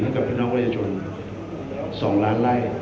ให้กับพี่น้องวัยชน๒ล้านไล่